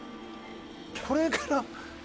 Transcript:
これから。